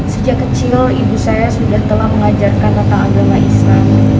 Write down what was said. sejak kecil ibu saya sudah telah mengajarkan tentang agama islam